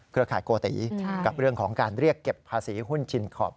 ขายโกติกับเรื่องของการเรียกเก็บภาษีหุ้นชินขอบ